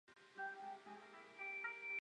由一百廿四名司铎名管理廿四个堂区。